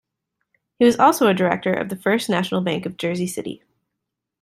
He was also a director of the First National Bank of Jersey City.